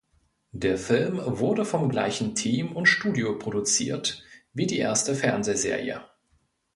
Der Film wurde vom gleichen Team und Studio produziert wie die erste Fernsehserie.